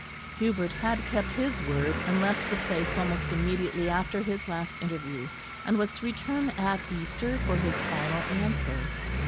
Hubert had kept his word, and left the place almost immediately after his last interview; and was to return at Easter for his final answer.